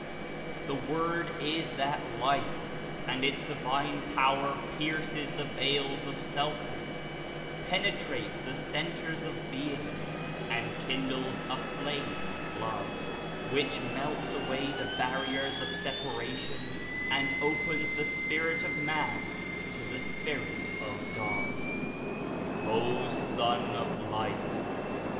The Word is that Light and its di vine power pierces the veils of selfness, penetrates the centers of being and kindles a flame of love, which melts away the barriers of separation and opens the spirit of man to the Spirit of God. '^O Son of Light!